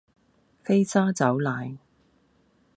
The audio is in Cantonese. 飛砂走奶